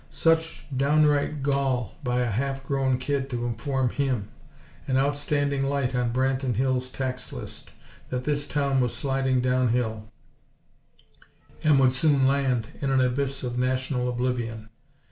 Such downright gall by a half grown kid to inform him; an outstanding light on Branton Hills' tax list, that this town was sliding down hill; and would soon land in an abyss of national oblivion!